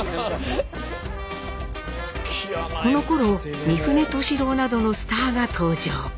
このころ三船敏郎などのスターが登場。